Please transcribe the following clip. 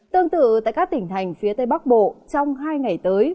tương tự tại các tỉnh thành phía tây bắc bộ trong hai ngày tới